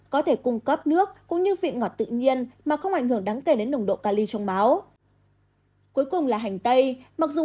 có thể cung cấp nước cũng như vị ngọt tự nhiên mà không ảnh hưởng đáng kể đến nồng độ cali trong máu